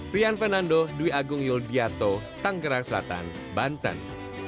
trian fernando dari agung yul bianto tangerang selatan banten